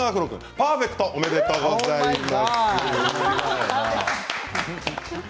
パーフェクトおめでとうございます。